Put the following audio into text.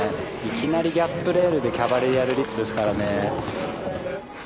いきなりギャップレールでキャバレリアルリップですからね。